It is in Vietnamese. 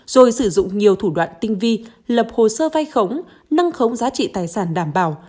rồi sử dụng nhiều thủ đoạn tinh vi lập hồ sơ vai khống nâng khống giá trị tài sản đảm bảo